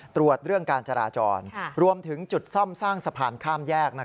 ตรวจเรื่องการจราจรรวมถึงจุดซ่อมสร้างสะพานข้ามแยก